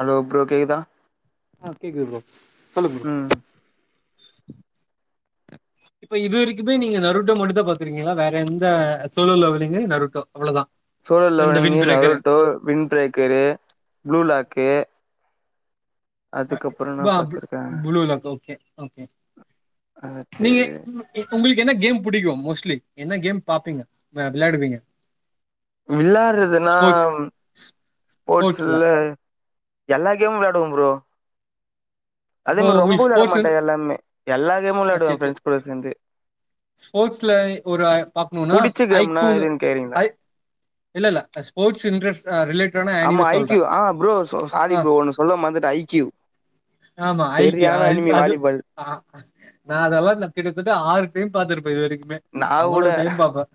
Hello bro கேக்குதா ஆ கேக்குது ப்ரோ சொல்லு ப்ரோ ம் இப்ப இது வெரிக்குமே நீங்க நரூட்டோ மட்டுந்தா பாத்துருக்கீங்களா வேற எந்த சோலோ லெவலுங்கு நரூட்டோ அவ்ளோதா சோலோ இந்த வின் லெவனிங்கு breaker Naruto Wind Breaker Blue Lock அதுக்கப்புறோ என்ன பா பு பாத்திருக்கே புளூ லாக்கு ஓகே ஓகே நீங்க அடுத்தது உங்குளுக்கு என்ன கேம் பிடிக்கோ மோஸ்ட்லி என்ன கேம் பாப்பீங்க வெளையாடுவீங்க வெளாடுறதுன்னா ஸ்போர்ட்ஸ்ல ஸ்போர்ட்ஸுல எல்லா கேமு வெளாடுவ ப்ரோ அப்போ அதேமேரி ரொம்போ உங்களுக்கு வெளாட ஸ்போர்ட்ஸ் மாட்ட வந்து எல்லாமே எல்லா கேமு வெளாடுவ சேரி சேரி ஃப்ரெண்ட்ஸ் கூட சேந்து ஸ்போர்ட்ஸ்ல ஒரு அ பாக்கணோனா புடிச்ச கேம்னா ஐகூனு எதுன்னு கேக்குறீங்களா ஐ இல்ல இல்ல அ ஸ்போட்ஸ் இன்ட்ரஸ்ட் அ ரிலேட்டான ஆமா ஐ க்யூ ஆ ப்ரோ சாரி ப்ரோ ஒண்ணு சொல்ல மறந்துட்ட ஐ க்யூ ஆமா ஐக்கிய செரியான அது அனிமி அது வாலிபால் ஆ நா அதெல்லா நா கிட்டத்தட்ட ஆறு டைம் பாத்துருப்ப இது வெரிக்குமே நா கூட அவ்வளோ டைம் பாப்ப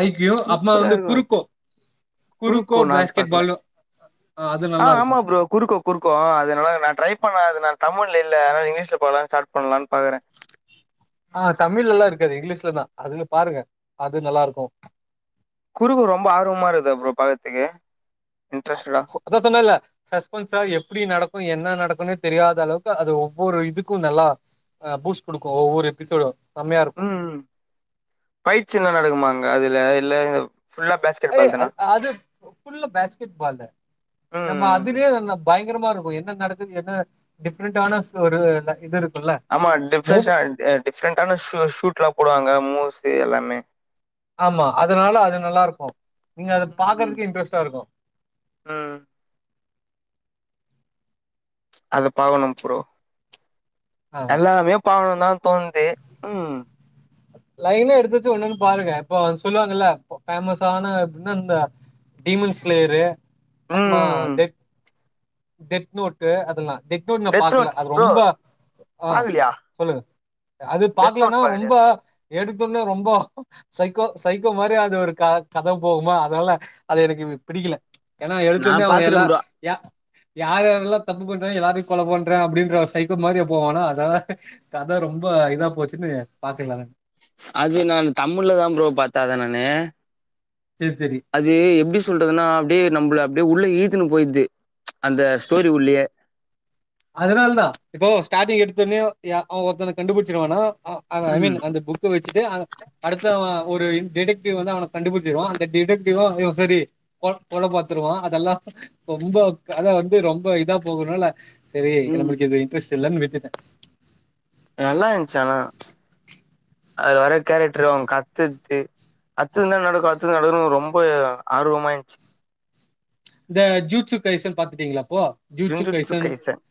ஐ க்யூ அப்பறோ வந்து குறுக்கோ குறுக்கோ நா அது பேஸ்கெட் பாக்கல பால்னு அது ஆ ஆமா நல்லாருக்கும். ப்ரோ குறுக்கோ குருக்கோ அ அதனால நா ட்ரை பண்ண அது நா தமிழ்ல இல்ல அதா இங்கிலீஷ்ல போலான்னு ஸ்டார்ட் பண்ணலான்னு பாக்குற ஆ தமிழ்ல எல்லா இருக்காது இங்கிலீஷ்லதா அதுல பாருங்க அது நல்லா இருக்கோ குறுக்கோ ரொம்போ ஆர்வமா இருக்கா ப்ரோ பாக்கறதுக்கு இன்ட்ரெஸ்ட்டடா அதா சொன்னேல்ல சஸ்பென்ஸா எப்புடி நடக்கோ என்ன நடக்குன்னே தெரியாத அளவுக்கு அது ஒவ்வோரு இதுக்கு நல்லா ஆ பூஸ்ட் குடுக்கோ ஒவ்வோரு எபிசோடு செம்மையா இருக்கோ ம். ஃபைட்ஸ் சீன்லா நடக்குமாங்க அதுல இல்ல ஃபுல்லா பேக் ஏய் அத் அது ஃபுல்லா பேஸ்கெட் பால்ல நம்ம அது ம். அதுலயே என்ன பயங்கரமா இருக்கோ என்ன நடக்குது என்ன டிஃப்ரெண்டான ஒரு இது இருக் ஆமா டிஃப்ரெஷ்ஷா அ டிஃப்ரெண்டான ஷூ ஷூட்லா போடுவாங்க மோஸ்லி எல்லாமே ஆமா அதனால அது நல்லா இருக்கோ நீங்க அது ம். பாக்கறதுக்கே இன்ட்ரெஸ்ட்டா இருக்கோ ம் அது பாக்கணோம் ப்ரோ ஆமா எல்லாமே பாக்கனோந்தா தோணுது ம் லைனா எடுத்து வெச்சு ஒன்னுவொன்னு பாருங்க இப்போ சொல்லுவாங்கல்ல பேமஸ்ஸான என்ன அந்த பீமன்ஸ்லேயரு அப்றமா ம். ம். டெட் டெட் நோட்டு அதெல்லா டெக்கோட் நா டெத் பாக்கல நோட்ஸ் அது ப்ரோ ரொம்ப ஆ பாக்கலையா? சொல்லுங்க அது டெத் நோட் பாக்கலனா பாக்கலையா? ரொம்ப எடுத்தொன்ன ரொம்ப சைக்கோ சைக்கோ மாரி அது ஒரு கத போகுமா அதனால அது எனக்கு பிடிக்கல ஏனா எடுத்தொன்ன நான் அவன் எல்லா பாத்துட்டேன் ப்ரோ. என் யார் யாரல்லா தப்பு பண்றேன் எல்லாரையு கொல பண்றேன் அப்டின்ற சைகோ மாரியே போவானா அதனால கத ரொம்ப இதா போச்சுன்னு பாக்கலனானு அது நா தமிழ்ல்தான் ப்ரோ பாத்த அத நானு சேர் சேரி அது எப்டி சொல்றதுனா அப்டியே நம்பள அப்டியே உள்ள இழுத்துன்னு போயிடுது அந்த ஸ்டோரி உள்ளயே அதனாலதா இப்போ ஸ்டாட்டிங் எடுத்தொன்னயே அவன் ஒருத்தன கண்டுபிடிச்சிருவானா அ அவன் ஐ மீன் அந்த பு க்க வெச்சுட்டு அ அடுத்தவன் ஒரு டிடக்டிவ் வந்து அவன கண்டுபிடிச்சிருவான் அந்த டிடக்டிவ இவன் சரி கொ கொலப்பாத்துருவான் அதெல்லா ரொம்ப கத வந்து ரொம்ப இதா போகரனால செரி ம். நம்மளுக்கு இது இன்ட்ரெஸ்ட் இல்லனு விட்டுட்ட நல்லா இருந்ச்சு ஆனா அதுல வர கேரக்டர் அவுங்க கத்தது அடுத்து என்ன நடக்கு அடுத்து நடக்கணு ரொம்ப ஆர்வமா இன்ச்சி இந்த ஜூஸுக்கைஸன்னு பாத்துட்டீங்ளா அப்போ ஜுன்ஜுட்சு ஜூஸுக்கைசன் கைசன்.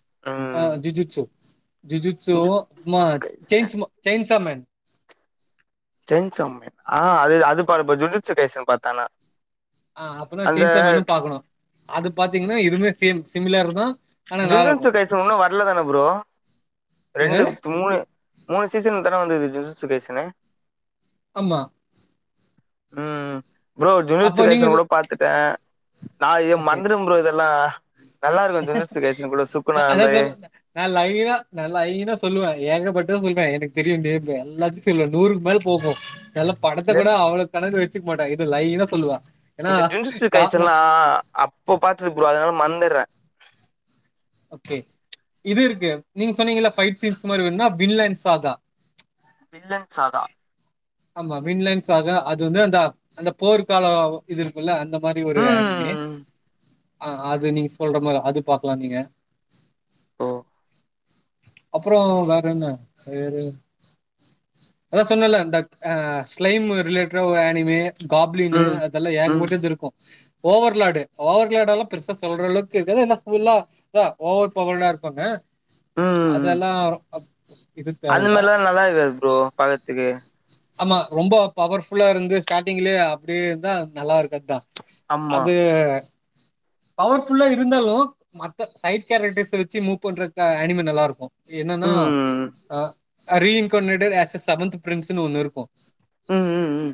அ ம். ஜீஜீக்சோ ஜீஜீக்ஸ்சோ ஜுட்சு மா கைசன். சென்ஸ்மோ ஜெய்ன்ஸாமேன் ஜெய்ன்ஸாமேன் ஆ அது அது பாப்ப ஜுஜுக்ஸ்கைசன்னு பாத்தா நா ஆ அப்பனா ஜெய்ஸாமேனு பாக்கணு அது பாத்தீங்கனா இதுமே சேம் சிமிலர்தான் ஜுஜுன்சுகைசம் இன்னு வர்லதான ப்ரோ ரெண்டு என்னது மூணு மூணு சீசன்தான வந்தது ஜூஜூஸ்கைசனு ஆமா ம் ப்ரோ அப்ப நீங்க ஜுஜுஸ்கைசன் சொ கூட பாத்துட்ட நா எம் ஓகே மறந்திரும் ப்ரோ இதெல்லா நல்லா இருக்கு ஜுஜுஸ்கைசன் போல சுக்குனாலே அதா நா லைனா நா லைனா சொல்லுவன் ஏகபட்டது சொல்லுவேன் எனக்கு தெரியு நேமு எல்லாத் த்துல்ல நூறுக்கு மேல போகு எல்லா படத்த இதல் கூட அவ்ளோ கணக்கு வெச்சிக்க மாட்ட இது லைனா சொல்லுவ ஏனா கார ஆ அ ப்ப பாத்தது ப்ரோ அதனால மறந்துர்றன் ஓகே இது இருக்கு நீங்க சொன்னீங்கல்ல ஃபைட் சீன்ஸ் மாரி வேணுனா பில்லன் சாதா பில்லன் சாதா ஆமா பின்லன் சாதா ஆ அது வந்து அந்த அந்த போர்க்கால இது இருக்குல்ல அந்த மாரி ஒரு அனிமி ம் ஆ அது நீங்க சொல்ற மா அது பாக்கலா நீங்க ஓ அப்றோ வேற என்ன வேற அதா சொன்னல்ல இந்த ஆ ஸ்லைம் ரிலேட்டறா ஒரு அனிமி காப்லினு ம் அதெல்லா ம் ம் ஏகபட்டது இருக்கு ஓவர்லாடு ஓவர்லாடு எல்லா பெருசா சொல்ற அளவுக்கு இருக்காது என்ன ஃபுல்லா ஓவர் பவர்ரா இருக்குனு அதெல்லா இது தேவல்ல அதுமாரில்லா நல்லா இருக்காது ப்ரோ பாக்கறத்துக்கு ஆமா ரொம்ப பவர்ஃபுல்லா இருந்து ஸ்டார்ட்டிங்லயே அப்டியே இருந்தா நல்லா இருக்காதுதா ஆமா அது பவர் ஃபுல்லா இருந்தாலு மத்த சைடு கேரக்டர்ஸ் வெச்சு மூவ் பண்ற அனிமி நல்லா இருக்கு என்னன்னா ம் அ ரீஇன்கோநெட்டு வெர்ஸஸ் செவன்த் பிரின்ஸ்னு ஒண்ணு இருக்கு ம் ம் ம்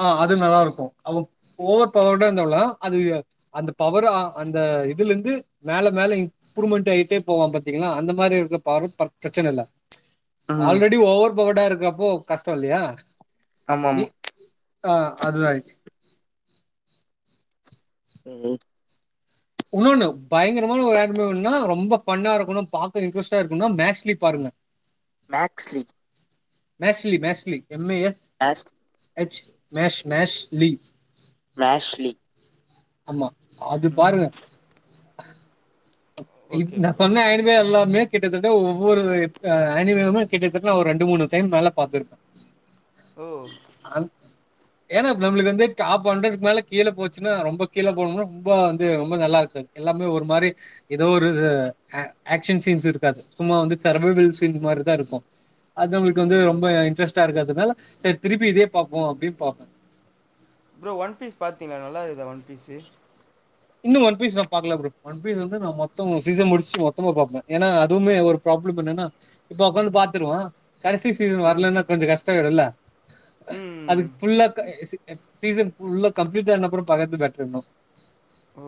ஆ அது நல்லா இருக்கு அவ ஓவர் பவர்டு இருந்தாவுல அது அந்த பவர் ஆ அந்த இதுலந்து மேல மேல இம்ப்ரூமென்ட் ஆகிட்டே போவா பாத் திங்கனா அந்த மாரி இருக்க பவரு பா பிரச்சனை இல், ல ம் ஆல்ரெடி ஓவர் பவர்டா இருக்கப்போ கஷ்டோ இல்லயா ஆமா நீ ஆமா ஆ அது ஆயிட் எ எயித் உன்னோன்னு பயங்கரமான ஒரு ஆக்பே வேணுனா ரொம்ப ஃபன்னா இருக்கணு பாக்க இன்ட்ரெஸ்டா இருக்கனுனா மேஷ்லி பாருங்க மேக்ஸ்லி Mashle Mashle M A S as H mash Mashle Mashle ஆமா அது ம் பாருங்க இ ஓகே நா ப்ரோ சொன்ன அனிமே எல்லாமே கிட்டத்தட்ட ஒவ்வொரு அனிமேமே கிட்டத்தட்ட நா ஒரு ரெண்டு மூணு டைம் மேல பாத்திருப் ஓ அந் ஏன்னா நம்மளுக்கு வந்து டாப் ஹண்ட்ரடுக்கு மேல கீழ போச்சுன்னா ரொம்ப கீழே போனும்னா ரொம்ப வந்து ரொம்ப நல்லா இருக்காது எல்லாமே ஒரு மாரி ஏதோ ஒரு ஆ ஆக்ஷன் சீன்ஸ் இருக்காது சும்மா வந்து சர்வைவல் சீன் மாரிதா இருக்கு அது ம் நம்மளுக்கு வந்து ம் ரொம்ப இன்ட்ரெஸ்டா இருக்காதுனால சேரி திருப்பி இதே பாப்போ அப்பிடின்னு பாப்போ ப்ரோ ஒன் பீஸ் பாத்தீங்களா நல்லா இருக்குதா ஒன் பீஸு இன்னு ஒன் பீஸ் நா பாக்கல ப்ரோ ஒன் பீஸ் வந்து நா மொத்தோ சீசன் முடிச்சுட்டு மொத்தமா பாப்பே ஏன்னா அதுமே ஒரு ப்ராப்ளம் என்னென்னா இப்ப ஒக்காந்து பாத்துருவோ கடைசி சீசன் ம் வரலன்னா கொஞ்சோ கஷ்டோ ஆயிடுல, ம் அதுக்கு ஃபுல்லா க சி ஏ சீசன் ஃபுல்லா கம்ப்ளீட் ஆன அப்றோ பாக்கறது பெட்டர் ப்ரோ ஓ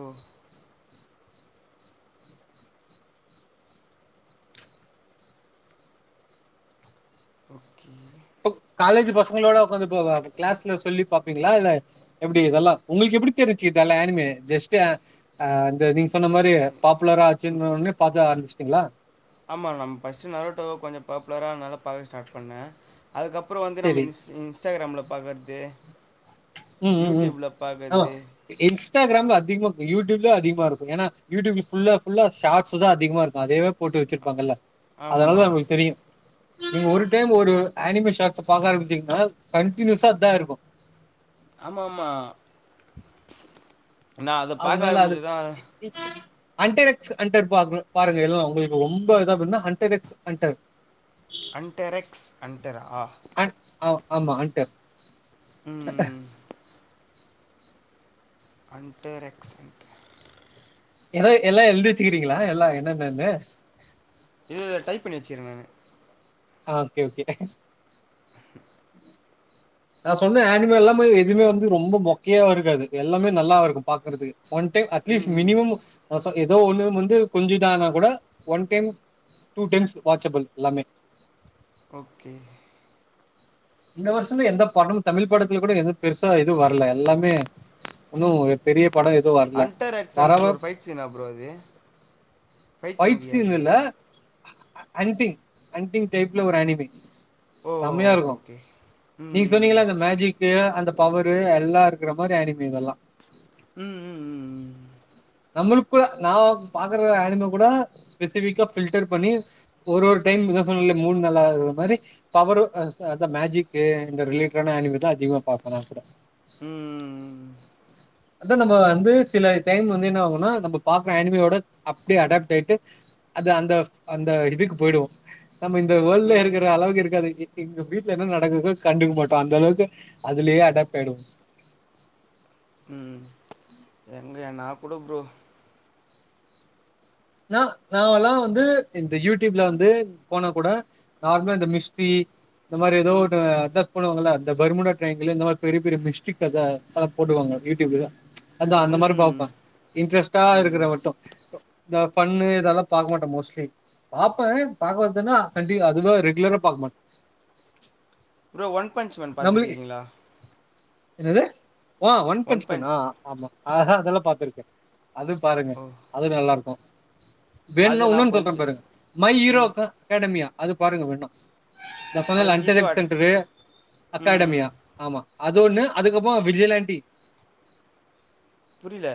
ஓகே இப்ப காலேஜ் பசங்களோட உக்காந்து போக கிளாஸ்ல சொல்லி பாப்பீங்களா இல்ல எப்டி இதெல்லா உங்களுக்கு எப்டி தெரிஞ்சிச்சு இதெல்லா ஆனிமே ஜெஸ்ட்டு அ இது நீங்க சொன்ன மாரி பாப்புலரா ஆச்சுனோனே பாக்க ஆரம்பச்சிட்டீங்ளா ஆமா நம்ம ஃபஸ்ட்டு நரோட்டாவ கொஞ்சோ பாப்புலரானனால பாக்க ஸ்டாட் பண்ண அதுக்கப்றோ வந்து நம்ம சரி இன்ஸ் இன்ஸ்டாகிராமில பாக்குறது ம் ம் ம் யூடியூப்ல ஆமா பாக்குறது இன்ஸ்டாகிராம்ல அதிகமா யூடியூப்ல அதிகமா இருக்கும் ஏன்னா யூடியூப் ஃபுல்லா ஃபுல்லா ஷார்ட்ஸ்தா அதிகமா இருக்கு அதே போட்டு வச்சிருப்பாங்கள அதனாலதா ஆமாம் அவங்களுக்கு தெரியு நீங்க ஒரு டைம் ஒரு ஆனிமே ஷாட்ஸ்ஸ பாக்க ஆரம்பிச்சீடீங்கனா கண்டினியூஸா அதா இருக்கு ஆமா ஆமா நா அத பாக்க ஆரம்பிச்சுதா அன்டேரெக்ஸ் அன்டர் பாக்கு பாருங்க எல்லா உங்களுக்கு ரொம்ப இதாகுனா ஹண்டேரெக்ஸ் ஹன்டர் அன்டேரக்ஸ் அன்டர் ஆ அண் ஆ ஆமா அன்டர் ம் ஹண்டேரெக்ஸ் ஹன்டர் ஏத எல்லா எழுதி வச்சுக்கிறீங்ளா எல்லா என்னென்னனு இது டைப் பண்ணி வெச்சுகிற நானு ஆ ஓகே ஓகே நா சொன்ன ஆனிமி எல்லாமே எதுமே வந்து ரொம்போ மொக்கியா இருக்காது எல்லாமே நல்லாவேருக்கு பாக்கேறதுக்கு ஒன் டைம் அட்லீஸ்ட் ம் மினிமம் அ ச எதோ ஒண்ணு வந்து கொஞ்சு இது ஆனா கூட one time two times watchable எல்லாமே ஓகே இந்த வருஷந்தா எந்த படமு தமிழ் படத்துல கூட எது பெருசா எதுவு வரல எல்லாமே உன்னு பெரிய படோ எதுவ் வர அன்டர் எக்ஸ் அண்டர் ஒரு ஃபைட் சீனா ப்ரோ அது ஃபைட் மூவியா சீன் அது இல்ல அன்டிங் அன்டிங் டைப்ல ஒரு அனிமி ஓ சம்மையா ஓகே இருக்கு ஓகே நீங்க ம் சொன்னீங்கல அந்த மேஜிக்கு அந்த பவரு எல்லா இருக்குற மாரி அனிமி இதெல்லா ம் ம் ம் ம் நம்முளுக்கு கூட நா பாக்குற அனிமி கூட ஸ்பெசிஃபிக்கா ஃபில்டர் பண்ணி ஒரு ஒரு டைம் இதா சொன்னல்ல மூணு நல்லா இருக்குற மாரி பவரு அ அ இந்த மேஜிக்கு இந்த ரிலேட்ரான ஆனிமி தா அதிகமா பாப்பே நாங்கூட ம் ம் ம் ம் அதா நம்ம வந்து சில டைம் வந்து என்ன ஆகுனா நம்ம பாக்குற ஆனிமியோட அப்டியே அடாப்ட்டாய்ட்டு அது அந்த அந்த இதுக்கு போய்டுவோ நம்ம இந்த வேல்ட்ல ம் இருக்குற அளவுக்கு இருக்காது இ இங்க வீட்ல என்ன நடக்குதோ கண்டுக்க மாட்டோ அந்த அளவுக்கு அதுலியே அடாப்ட் ஆய்டுவோ ம் ம் எங்கய நா கூட ப்ரோ நா நாங்கலா வந்து இந்த யூடியூப்ல வந்து போனா கூட நார்மலா இந்த மிஸ்ட்ரி இந்த மாரி எதோ ம் ஒன்னு அதா போடுவாங்கல்ல அந்த பருமுடா ட்ரைங்ல இந்த மாரி பெரிய பெரிய மிஸ்ட்ரிக் கத அத போடுவாங்க யூடியூப்ல அதா அந்த மாரி ம் பாப்பே ம் இன்ட்ரெஸ்ட்டா ம் இருக்குற மட்டு இந்தா ஃபண்ணு இதெல்லா பாக்க மாட்ட மோஸ்ட்லி பாப்பே பாக்குறதுனா அதி அதுதா ரெகுலரா பாக்க மாட் ப்ரோ ஒன்பாய்ன்ஸ்வன் நம்மளுக்கு பாத்துடீங்களா என்னது அ ஒன்ட் ஒன் பஞ்ச் எக்ஸ்பனா ஆமா ஆஹா அதெல்லா பாத்துருக்கே அது பாருங்க ஓ அதுவு நல்லாருக்கு வேணும்னா அது நா இன்னொன்னு சொல்ற கொஞ்ச பாருங்க மை ஈரோ ம் க அகாடமியா அது பாருங்க வேண்ணா நா மை சொன்னல ஹீரோ அன்ட்டனட் அட் சென்டரு ம் அகாடமியா ஆமா அது ஒண்ணு அதுக்கப்போ விஜியலாண்டி புரில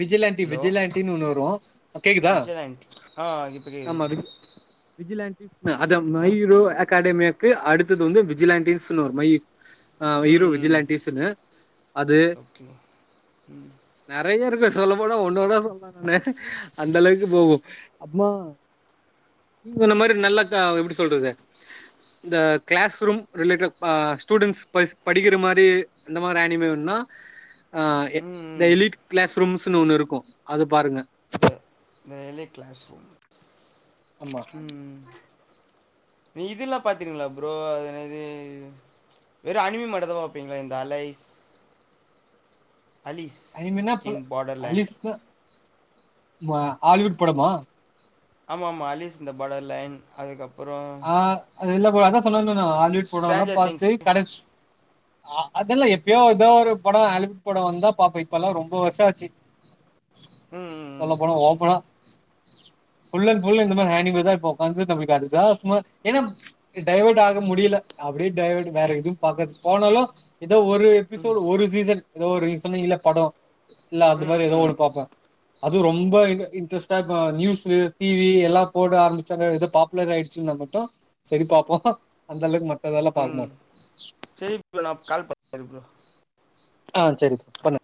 விஜிலாண்டி விஜிலாண்டினு ஒண்ணு வரு விஜலாண்டி ஆ இப்ப கேக்குது விஜிலாண்டிஸ்னு அத மை ஈரோ அகாடமியக்கு அடுத்தது வந்து வி ஜிலாண்டிஸ்னு ஒரு மை ஆ ஈரு ம் ம் விஜிலாண்டீஸுனு அது ஓகே நறைய இருக்கு சொல்ல போனா ஒன்னொன்னா சொல்லா நானு அந்த அளவுக்கு போகு அப்மா நீங் சொன்ன மாரி நல்லா க எப்புடி சொல்றது இந்த க்ளாஸ் ரூம் ரிலேட்ரா அ ஸ்டூடெண்ட்ஸ் பஸ் படிக்கிற மாரி அந்த மாதிரி ஆனிமி வேணுனா ஆ எ ம் த ம் எலிட் க்ளாஸ் ரூம்ஸ்ன்னு ஒண்ணு இருக்கு அத பாருங்க த த எலைட் க்ளாஸ் ரும்ஸ் ஆமா ம் ம் நீ இதுல்லா பாத்திருங்ளா ப்ரோ அது என்னது வெறு அனிமி மட்டுதா பாப்பீங்களா இந்த அலைஸ் அலிஸ் அனிமீனா ப இன் பார்டர்லேண்ட் அலிஸ்னா மா ஹாலிவுட் படமா ஆமா ஆமா அலிஸ் இந்த படொ லைன் அதுக்கப்பறோ அது இல்ல போ அதா சொன்னன நா ஹாலிவுட் படொல்லா ஸ்ட்ராஞ்சர் திங்ஸ் பாத்து கடைசி அ அதெல்லா எப்பயோ ஏதோ ஒரு படோ ஆலிவுட் படோ வந்தா பாப்ப இப்பெல்லா ரொம்ப வர்ஷ ஆச்சு ம் சொல்லப்போனா ஓப்பனா ஃபுல் அன்ட் ஃபுல் இந்த மாரி ஹேண்டிங்லதா இருப்போ ஒக்காந்து தம்பி அதுக்கா சும்மா ஏன்னாப் டைவர்ட் ஆக முடில அப்டியே டைவர்ட் வேற எதுவு பாக்க போனலு ஏதோ ஒரு ம் எபிசோடு் ஒரு சீசன் ஏதோ ஒரு நீ சொன்னீங்கல படோ இல்ல அத்து ம் மாரி ஏதொ ம் ஓன்னு பாப்போ அது ரொம்ப இ இன்ட்ரெஸ்ட்டா நியூஸ்சு டிவி எல்லா போட ஆரம்பிச்சாங்க எதோ பாப்புலர் ஆய் சிந்தா மட்டு செரி பாபோ அந்தளவுக்கு மத்ததெல்லா பாக்க மாட்டோ செரி இப் நா கால் பன்ற ப்ரோ ஆ செரி பன்னுங்